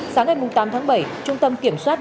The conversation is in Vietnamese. sáng ngày tám tháng bảy trung tâm kiểm soát